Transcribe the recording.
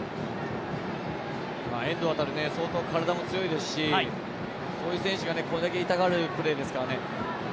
遠藤航、相当体も強いですしこういう選手がこれだけ痛がるプレーですからね。